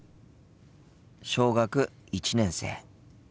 小学１年生。